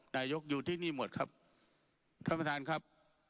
อยู่ที่นี่หมดครับท่านประธานครับ